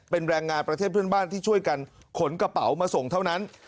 เป็นแรงงานประเทศเพื่อนบ้านที่ช่วยกันขนกระเป๋ามาส่งเท่านั้น